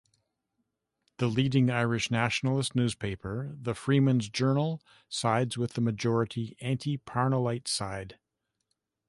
The leading Irish nationalist newspaper, the "Freeman's Journal", sides with the majority anti-Parnellite side.